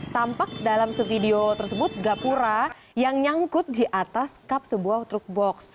tampak dalam sevidio tersebut gapura yang nyangkut di atas kap sebuah truk box